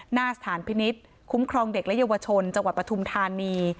หน้าสถานพินิษฐ์คุ้มครองเด็กและเยาวชนจังหวัดปฐุมธานี